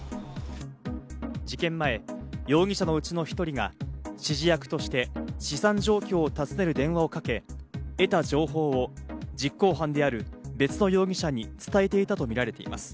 事件前、容疑者のうちの一人が指示役として資産状況をたずねる電話をかけ、得た情報を実行犯である別の容疑者に伝えていたとみられています。